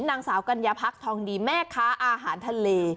นางสาวกัญญาพักทองดีแม่ค้าอาหารทะเล